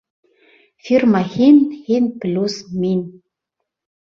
Фирма «һин», һин плюс мин!